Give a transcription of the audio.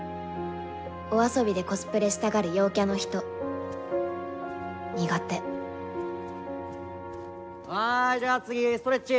お遊びでコスプレしたがる陽キャの人苦手はいじゃあ次ストレッチ！